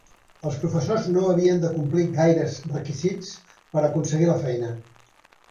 Els professors no havien de complir gaires requisits per aconseguir la feina.